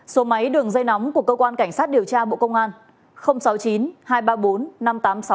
số máy đường dây nóng của cơ quan cảnh sát điều tra bộ công an